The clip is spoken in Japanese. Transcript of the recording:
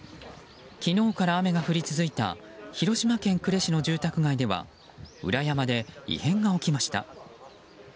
昨日から雨が降り続いた広島県呉市の住宅街では裏山で異変が起きました。